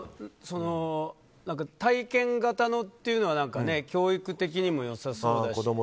体験型のというのは教育的にも良さそうだし。